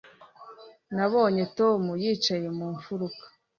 Nabonye Tom yicaye mu mfuruka